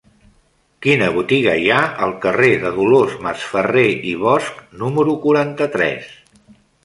Quina botiga hi ha al carrer de Dolors Masferrer i Bosch número quaranta-tres?